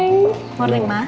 selamat pagi ma